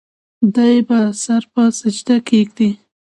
دے به سر پۀ سجده کيږدي